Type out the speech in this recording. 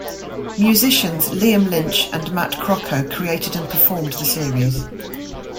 Musicians Liam Lynch and Matt Crocco created and performed the series.